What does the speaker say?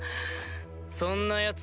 そんなヤツ